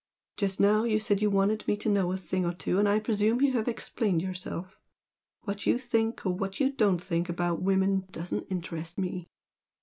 Just now you said you wanted me to know a thing or two, and I presume you have explained yourself. What you think or what you don't think about women doesn't interest me.